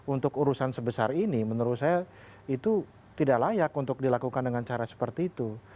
untuk urusan sebesar ini menurut saya itu tidak layak untuk dilakukan dengan cara seperti itu